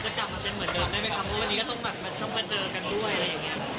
เพราะวันนี้ก็ต้องมาเจอกันด้วยอะไรอย่างนี้